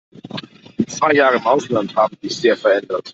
Die zwei Jahre im Ausland haben dich sehr verändert.